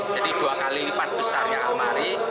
jadi dua kali lipat besarnya almari